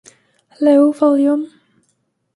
Low volume.